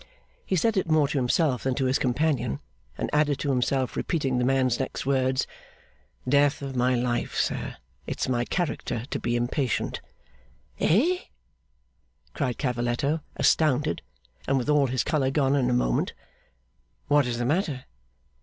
He said it more to himself than to his companion, and added to himself, repeating the man's next words. 'Death of my life, sir, it's my character to be impatient!' 'EH!' cried Cavalletto, astounded, and with all his colour gone in a moment. 'What is the matter?